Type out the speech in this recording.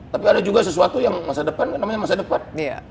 tapi ada juga sesuatu yang masa depan kan namanya masa depan